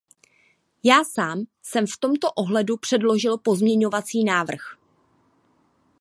Já sám jsem v tomto ohledu předložil pozměňovací návrh.